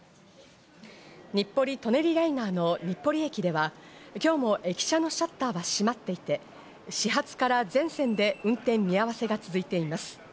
日暮里・舎人ライナーの日暮里駅では、今日も駅舎のシャッターは閉まっていて、始発から全線で運転見合わせが続いています。